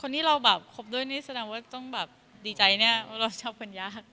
ที่เราแบบคบด้วยนี่แสดงว่าต้องแบบดีใจเนี่ยเพราะเราชอบคนยาก